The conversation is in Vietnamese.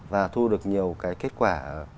và thu được nhiều cái kết quả